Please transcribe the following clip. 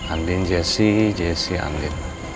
andin jessi jessi andin